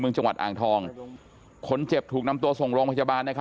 เมืองจังหวัดอ่างทองคนเจ็บถูกนำตัดส่งหลงพยาบาล